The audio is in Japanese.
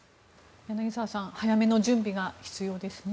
柳澤さん早めの準備が必要ですね。